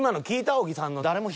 小木さんの。